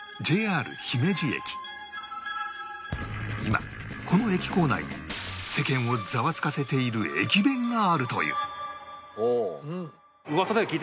今この駅構内に世間をザワつかせている駅弁があるという